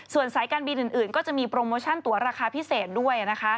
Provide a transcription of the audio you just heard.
ส่วนสายการบินอื่นก็จะมีโปรโมชั่นตัวราคาพิเศษด้วย